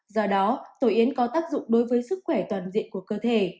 do đó tổ yến có tác dụng đối với sức khỏe toàn diện của cơ thể